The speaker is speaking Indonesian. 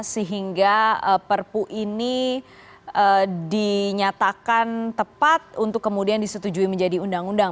sehingga perpu ini dinyatakan tepat untuk kemudian disetujui menjadi undang undang